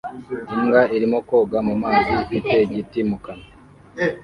Imbwa irimo koga mu mazi ifite igiti mu kanwa